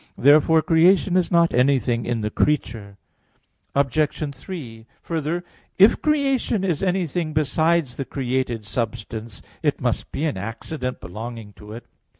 Therefore creation is not anything in the creature. Obj. 3: Further, if creation is anything besides the created substance, it must be an accident belonging to it.